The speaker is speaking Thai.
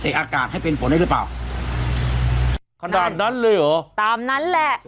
เสร็จอากาศให้เป็นฝนได้หรือเปล่าถามนั้นเลยอ่ะตามนั้นแหละ